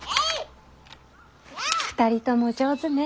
２人とも上手ね。